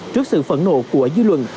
trước sự phẫn nộ của dư luận